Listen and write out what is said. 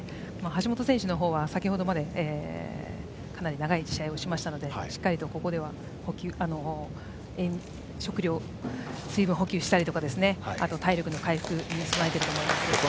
橋本選手は先ほどまでかなり長い試合をしていましたのでしっかりとここでは食料、水分補給したりあと、体力の回復をしていると思います。